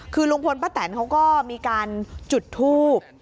คือลุงพลป้าแตนเขาก็มีการจุดทูบ